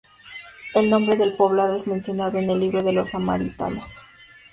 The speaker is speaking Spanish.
El nombre del poblado es mencionado en el libro de los samaritanos.